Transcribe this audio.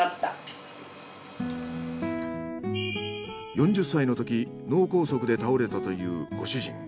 ４０歳のとき脳梗塞で倒れたというご主人。